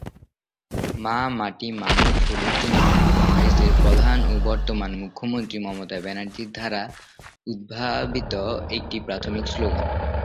মা-মাটি-মানুষ হল তৃণমূল কংগ্রেস প্রধান ও বর্তমান মুখ্যমন্ত্রী মমতা ব্যানার্জী দ্বারা উদ্ভাবিত একটি প্রাথমিক স্লোগান।